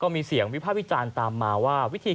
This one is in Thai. มีเสียงวิจันรย์ตามมาว่าวิธี